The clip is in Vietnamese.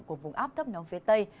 của vùng áp thấp nóng phía tây